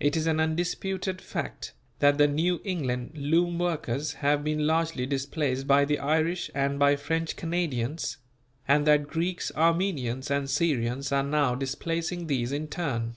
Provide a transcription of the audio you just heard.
It is an undisputed fact that the New England loom workers have been largely displaced by the Irish and by French Canadians; and that Greeks, Armenians and Syrians are now displacing these in turn.